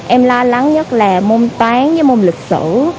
em lo lắng nhất là môn toán với môn lịch sử